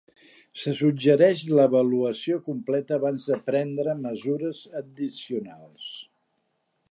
Se suggereix l'avaluació completa abans de prendre mesures addicionals.